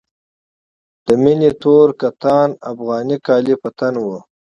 د مينې تور کتان افغاني کالي په تن وو.